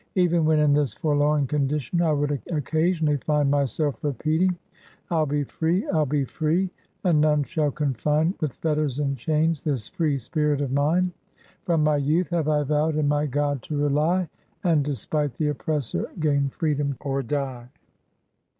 Even when in this forlorn condition, I would occasionally find my self repeating —' I 'U be free ! I '11 be free ! and none shall confine With fetters and chains, this free spirit of mine ; From my youth have I vowed in my God to rely, And, despite the oppressor, gain freedom or die